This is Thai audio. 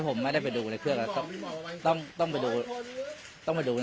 ผมไม่ได้ไปดูในเครื่องต้องไปดูในกลุ่มเขา